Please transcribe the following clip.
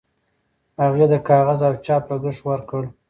هغې د کاغذ او چاپ لګښت ورکړ.